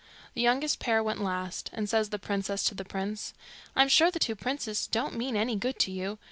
The youngest pair went last; and says the princess to the prince, 'I'm sure the two princes don't mean any good to you.